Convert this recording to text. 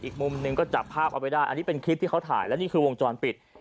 อีกมุมหนึ่งก็จับภาพเอาไว้ได้อันนี้เป็นคลิปที่เขาถ่ายและนี่คือวงจรปิด